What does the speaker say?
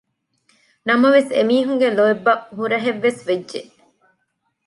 ނަމަވެސް އެމީހުންގެ ލޯތްބަށް ހުރަހެއްވެސް ވެއްޖެ